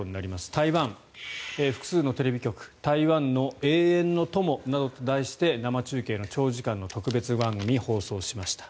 台湾、複数のテレビ局「台湾の永遠の友」などと題して生中継の長時間の特別番組を放送しました。